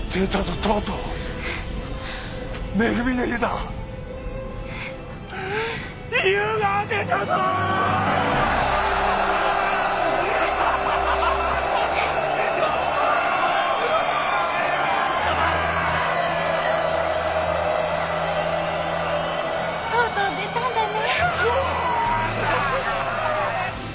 とうとう出たんだね